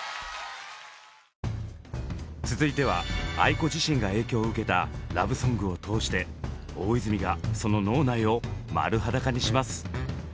続いてはａｉｋｏ自身が影響を受けたラブソングを通して大泉がその脳内を丸裸にします。